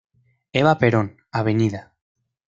Eva Perón, Av.